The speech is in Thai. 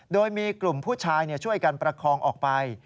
โดยมีกลุ่มผู้ชายช่วยกันประคองออกไป